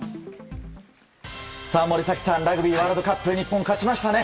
森崎さんラグビーワールドカップ日本、勝ちましたね。